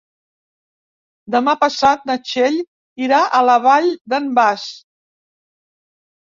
Demà passat na Txell irà a la Vall d'en Bas.